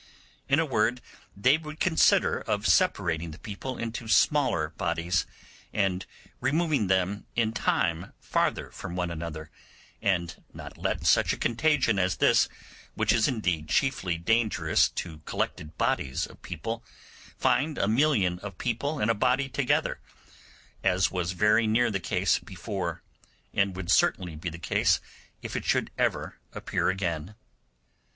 In a word, they would consider of separating the people into smaller bodies, and removing them in time farther from one another—and not let such a contagion as this, which is indeed chiefly dangerous to collected bodies of people, find a million of people in a body together, as was very near the case before, and would certainly be the case if it should ever appear again.